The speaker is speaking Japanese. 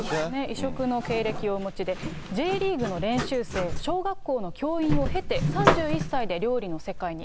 異色の経歴をお持ちで、Ｊリーグの練習生、小学校の教員を経て、３１歳で料理の世界に。